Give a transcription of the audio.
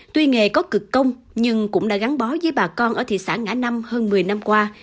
tuy nghề có cực công nhưng cũng đã gắn bó với bà con ở thị xã ngã năm hơn một mươi năm qua